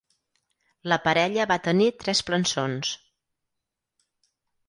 La parella va tenir tres plançons.